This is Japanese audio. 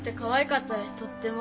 とっても。